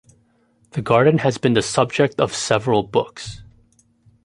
The garden has been the subject of several books.